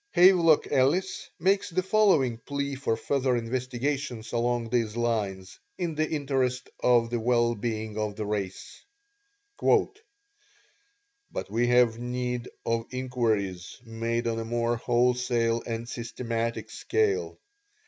Havelock Ellis makes the following plea for further investigations along these lines, in the interest of the well being of the race: "But we have need of inquiries made on a more wholesale and systematic scale.